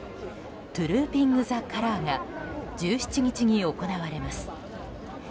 トゥルーピング・ザ・カラーが１７日に行われます。